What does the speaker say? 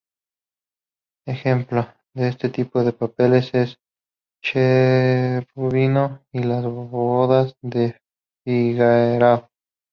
Ejemplo de este tipo de papeles es el Cherubino de "Las bodas de Fígaro".